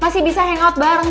masih bisa hangout bareng